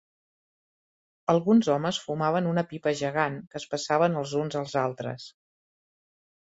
Alguns homes fumaven una pipa gegant que es passaven els uns als altres.